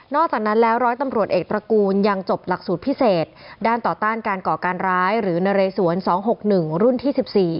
อกจากนั้นแล้วร้อยตำรวจเอกตระกูลยังจบหลักสูตรพิเศษด้านต่อต้านการก่อการร้ายหรือนเรสวน๒๖๑รุ่นที่๑๔